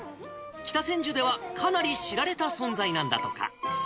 北千住ではかなり知られた存在なんだとか。